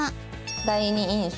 第二印象。